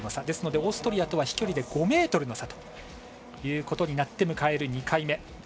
ですのでオーストリアとは飛距離で５ｍの差ということになって迎える２回目。